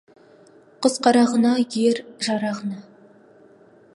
Құс қарағына, ер жарағына.